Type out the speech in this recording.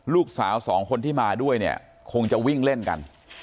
ลูกสาวสองคนที่มาด้วยเนี่ยคงจะวิ่งเล่นกัน